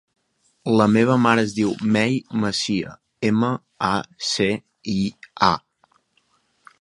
La meva mare es diu Mei Macia: ema, a, ce, i, a.